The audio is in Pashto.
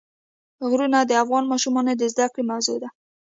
غرونه د افغان ماشومانو د زده کړې موضوع ده.